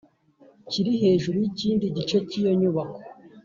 kiri hejuru y ikindi gice cy iyo nyubako